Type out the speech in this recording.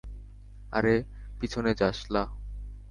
আরে পিছনে যা, শ্লা।